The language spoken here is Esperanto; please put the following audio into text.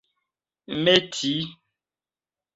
meti